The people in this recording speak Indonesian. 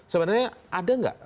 sebenarnya ada gak